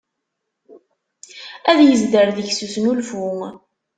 Ad yezder deg-s usnulfu.